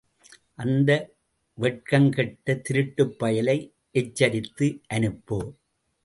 அந்த வெட்கங்கெட்ட திருட்டுப்பயலை எச்சரித்து அனுப்பு!